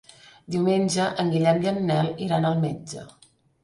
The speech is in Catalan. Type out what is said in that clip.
Diumenge en Guillem i en Nel iran al metge.